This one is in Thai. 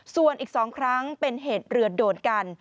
ส่วนอีก๒ครั้งเป็นเหตุเรือโดดกัน